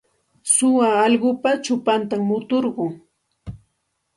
Suwa allqupa chupantam muturqun.